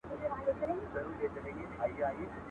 سالکه! وایه څومره مینه ستا ده راسره؟